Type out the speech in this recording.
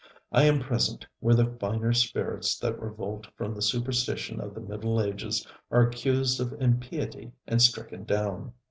I am present where the finer spirits that revolt from the superstition of the Middle Ages are accused of impiety and stricken down.